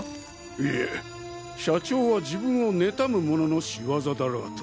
いえ社長は自分を妬む者の仕業だろうと。